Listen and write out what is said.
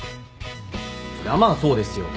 そりゃまあそうですよ。